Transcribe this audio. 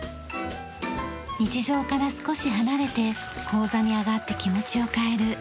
日常から少し離れて高座に上がって気持ちを変える。